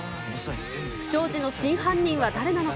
不祥事の真犯人は誰なのか。